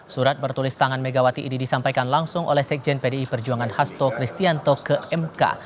surat bertulis tangan megawati ini disampaikan langsung oleh sekjen pdi perjuangan hasto kristianto ke mk